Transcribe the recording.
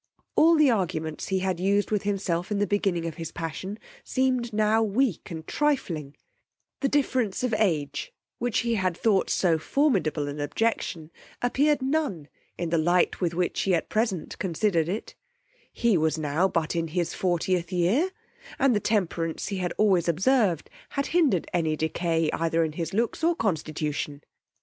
All the arguments he had used with himself in the beginning of his passion seemed now weak and trifling: the difference of age, which he had thought so formidable an objection, appeared none in the light with which he at present considered it: he was now but in his fortieth year, and the temperance he had always observed had hindered any decay either in his looks or constitution.